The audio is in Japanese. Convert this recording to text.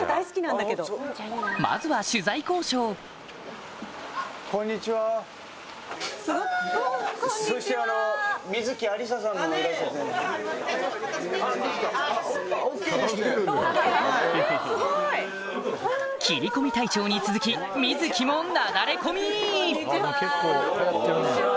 まずは取材交渉切り込み隊長に続き観月もなだれ込みこんにちは。